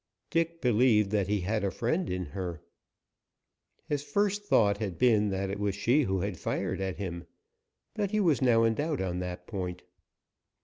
Dick believed that he had a friend in her. His first thought had been that it was she who had fired at him. He was now in doubt on that point.